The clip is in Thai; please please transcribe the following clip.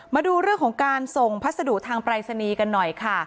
มาดูเรื่องของการส่งพัสดุทางปรายศนีย์กันหน่อยค่ะ